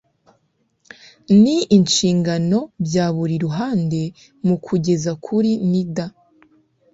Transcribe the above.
n inshingano bya buri ruhande mu kugeza kuri nida